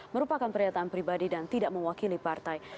merupakan pernyataan pribadi dan tidak mewakili partai